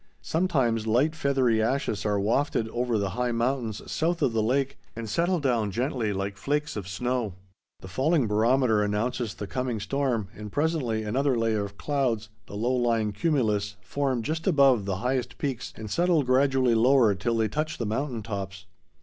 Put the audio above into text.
Sometimes light feathery ashes are wafted over the high mountains south of the lake and settle down gently like flakes of snow. The falling barometer announces the coming storm, and presently another layer of clouds, the low lying cumulus, form just above the highest peaks and settle gradually lower till they touch the mountain tops.